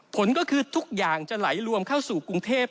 ผลก็คือทุกอย่างจะไหลรวมเข้าสู่กรุงเทพ